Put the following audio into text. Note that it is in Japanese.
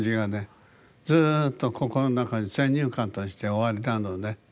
ずっと心の中に先入観としておありなのね。